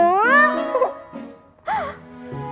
berani kau tarik tuh baik ya